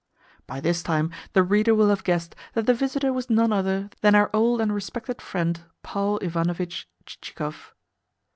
By this time the reader will have guessed that the visitor was none other than our old and respected friend Paul Ivanovitch Chichikov.